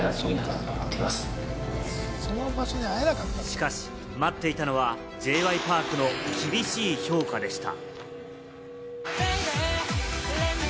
しかし待っていたのはＪ．Ｙ．Ｐａｒｋの厳しい評価でした。